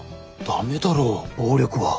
ダメだろ暴力は。